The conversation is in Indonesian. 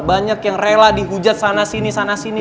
banyak yang rela dihujat sana sini sana sini